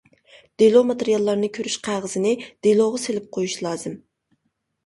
دېلو ماتېرىياللىرىنى كۆرۈش قەغىزىنى دېلوغا سېلىپ قويۇش لازىم.